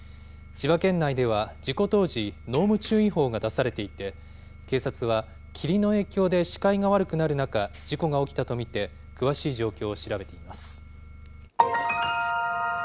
千葉県内では、事故当時、濃霧注意報が出されていて、警察は霧の影響で視界が悪くなる中、事故が起きたと見て、詳しい状況を調べています。